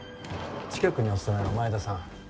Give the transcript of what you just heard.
近くにお勤めの前田さん。